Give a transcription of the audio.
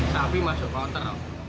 tapi masuk motor